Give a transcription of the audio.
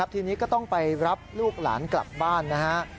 ทีนี้ก็ต้องไปรับลูกหลานกลับบ้านนะฮะ